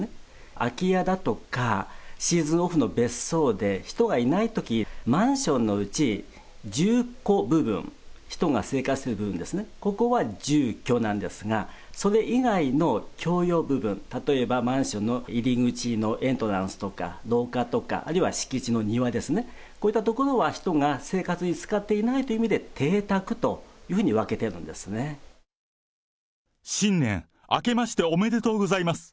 空き家だとか、シーズンオフの別荘で、人がいないとき、マンションのうち、住戸部分、人が生活している部分ですね、ここは住居なんですが、それ以外の共用部分、例えばマンションの入り口のエントランスとか、廊下とか、あるいは敷地の庭ですね、こういった所は人が生活に使っていないという意味で、邸宅という新年、あけましておめでとうございます。